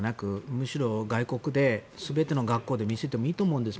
むしろ外国で、全ての学校で見せてもいいと思うんです。